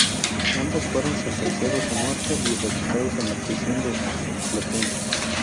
Ambos fueron sentenciados a muerte y ejecutados en la prisión de Plötzensee.